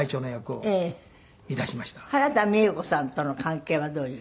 原田美枝子さんとの関係はどういう？